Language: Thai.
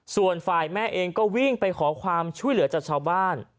ส่วนฝ่ายแม่เองก็วิ่งไปขอความช่วยเหลือจากชาวบ้าน